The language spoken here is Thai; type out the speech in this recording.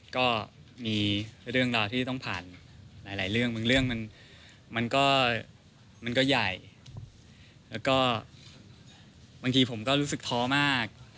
ก็มีเรื่องราวที่ต้องผ่านหลายเรื่องบางเรื่องมันก็มันก็ใหญ่แล้วก็บางทีผมก็รู้สึกท้อมาก